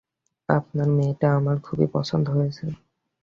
আপনার মেয়েটিকে আমার খুবই পছন্দ হয়েছে।